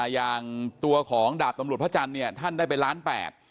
อย่างตัวของดาบตำรวจพระจันทร์ท่านได้ไป๑๘ล้านบาท